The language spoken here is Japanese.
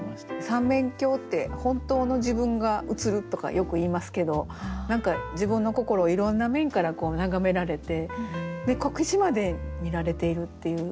三面鏡って本当の自分が映るとかよくいいますけど何か自分の心をいろんな面から眺められてこけしまで見られているっていう。